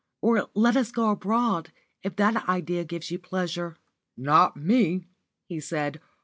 Or let us go abroad, if that idea gives you pleasure." "Not me," he said.